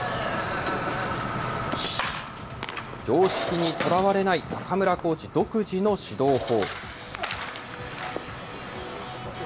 常識にとらわれない、中村コーチ独自の指導法。